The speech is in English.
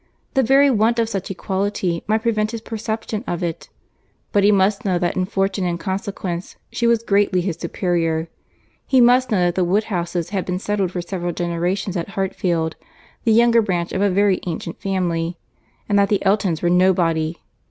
The very want of such equality might prevent his perception of it; but he must know that in fortune and consequence she was greatly his superior. He must know that the Woodhouses had been settled for several generations at Hartfield, the younger branch of a very ancient family—and that the Eltons were nobody.